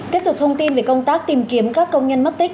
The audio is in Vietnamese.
tiếp tục thông tin về công tác tìm kiếm các công nhân mất tích